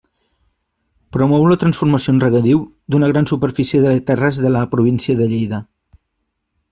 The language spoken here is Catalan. Promou la transformació en regadiu d'una gran superfície de terres de la província de Lleida.